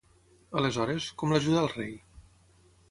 Aleshores, com l'ajudà el rei?